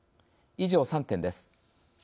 以上３点です。